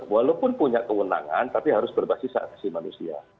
walaupun punya kewenangan tapi harus berbasis hak asasi manusia